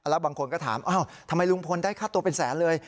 แล้วบางคนก็ถามทำไมลุงพลได้ค่าตัวเป็นแสนเลย